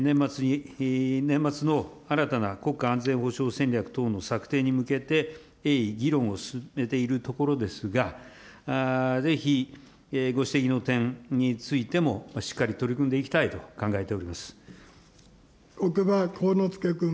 年末の新たな国家安全保障戦力等の策定に向けて、鋭意議論を進めているところですが、ぜひ、ご指摘の点についてもしっかり取り組んでいきたいと考えておりま國場幸之助君。